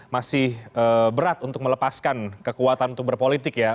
masih berat untuk melepaskan kekuatan untuk berpolitik ya